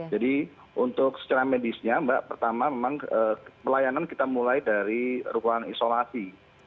jadi untuk secara medisnya mbak pertama memang pelayanan kita mulai dari ruang isolasi